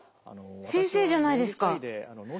先生じゃないですか。